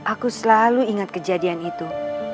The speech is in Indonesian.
aku selalu ingat kejadian itu